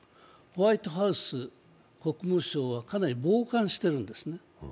ホワイトハウス、国務省はかなり傍観しているんですね。